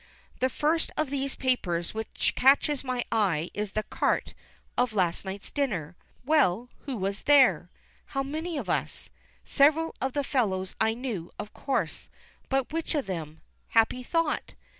The first of these papers which catches my eye is the carte of last night's dinner. Well, who was there? How many of us? Several of the fellows I knew, of course; but which of them? Happy thought!